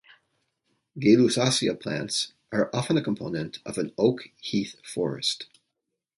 "Gaylussacia" plants are often a component of an oak-heath forest.